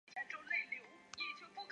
既之国筑台于此。